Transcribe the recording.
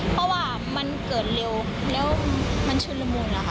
เพราะว่ามันเกิดเร็วแล้วมันชุนละมุนเหรอคะ